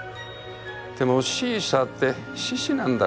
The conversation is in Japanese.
でもシーサーって獅子なんだっけ？